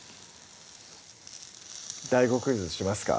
ＤＡＩＧＯクイズしますか？